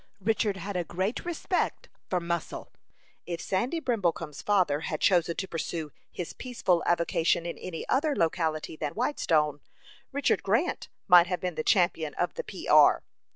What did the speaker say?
Richard had a great respect for muscle. If Sandy Brimblecom's father had chosen to pursue his peaceful avocation in any other locality than Whitestone, Richard Grant might have been the champion of the "P.R."